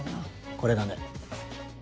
これだね。